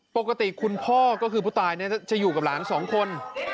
ปกติคุณพ่อก็คือผู้ตายเนี่ยจะอยู่กับหลานสองคน